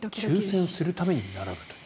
抽選するために並ぶという。